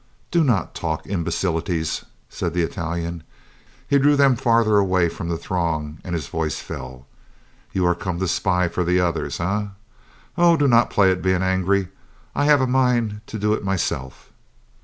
"Do not talk imbecilities," said the Italian. He drew them farther away from the throng, and his voice fell. "You are come to spy for the others, eh? .., Oh, do not play at being angry. I have had a mind to do it myself."